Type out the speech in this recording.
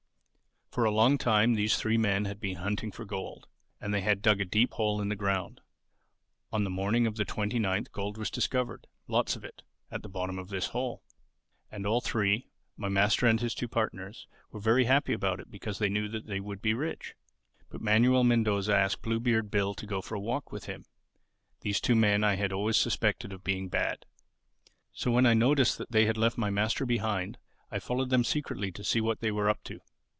For a long time these three men had been hunting for gold; and they had dug a deep hole in the ground. On the morning of the 29th gold was discovered, lots of it, at the bottom of this hole. And all three, my master and his two partners, were very happy about it because now they would be rich. But Manuel Mendoza asked Bluebeard Bill to go for a walk with him. These two men I had always suspected of being bad. So when I noticed that they left my master behind, I followed them secretly to see what they were up to.